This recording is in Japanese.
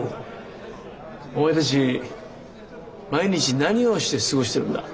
お前たち毎日何をして過ごしてるんだ？